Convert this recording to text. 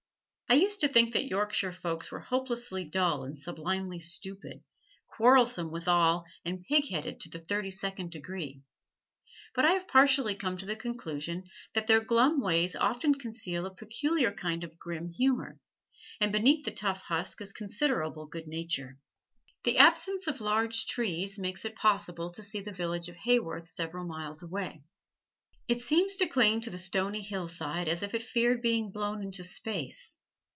I used to think that Yorkshire folks were hopelessly dull and sublimely stupid, quarrelsome withal and pigheaded to the thirty second degree; but I have partially come to the conclusion that their glum ways often conceal a peculiar kind of grim humor, and beneath the tough husk is considerable good nature. The absence of large trees makes it possible to see the village of Haworth several miles away. It seems to cling to the stony hillside as if it feared being blown into space.